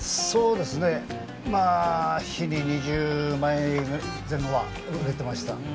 日に２０枚前後は売れていました。